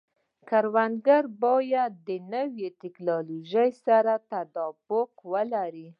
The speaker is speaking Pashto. کروندګري باید د نوې ټکنالوژۍ سره تطابق ولري.